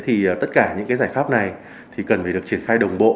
thì tất cả những cái giải pháp này thì cần phải được triển khai đồng bộ